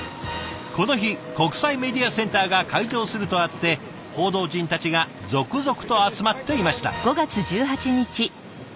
この日国際メディアセンターが開場するとあって報道陣たちが続々と集まっていました。